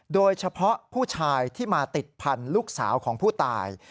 โดยเฉพาะผู้ชายที่มาติดพันธุ์ลูกสาวของผู้ตาย